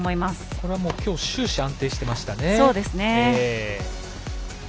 これは終始安定してましたね。